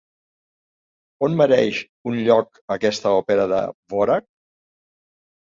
On mereix un lloc aquesta òpera de Dvořák?